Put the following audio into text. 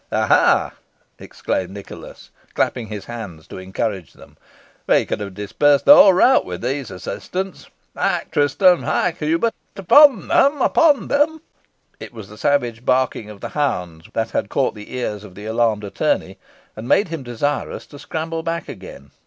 "Aha!" exclaimed Nicholas, clapping his hands to encourage them: "we could have dispersed the whole rout with these assistants. Hyke, Tristam! hyke, Hubert! Upon them! upon them!" It was the savage barking of the hounds that had caught the ears of the alarmed attorney, and made him desirous to scramble back again.